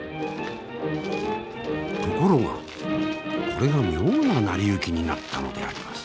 ところがこれが妙な成り行きになったのであります。